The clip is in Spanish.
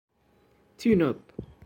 Tune Up!